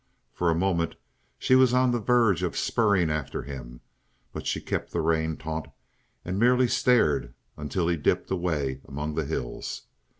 For a moment she was on the verge of spurring after him, but she kept the rein taut and merely stared until he dipped away among the hills.